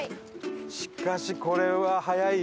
しかしこれは早いよ。